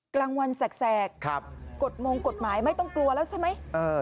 กลางวันแสกฎมงกฎหมายไม่ต้องกลัวแล้วใช่ไหม